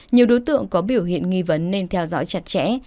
nhiều đối tượng có biểu hiện nghi vấn nên theo dõi chặt chẽ